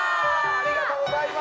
ありがとうございます。